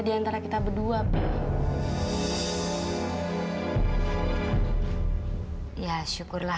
seharusnya dia juga